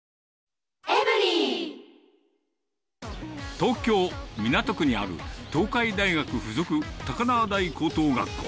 東京・港区にある東海大学付属高輪台高等学校。